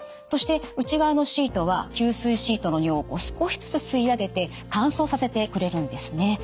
そして内側のシートは吸水シートの尿を少しずつ吸い上げて乾燥させてくれるんですね。